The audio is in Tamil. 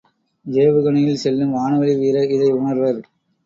ஏவுகணையில் செல்லும் வானவெளி வீரர் இதை உணர்வர்.